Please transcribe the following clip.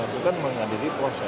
bukan mengadili proses